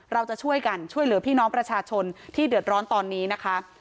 เราจะช่วยกันช่วยเหลือพี่น้องประชาชนที่เดือดร้อนตอนนี้นะคะ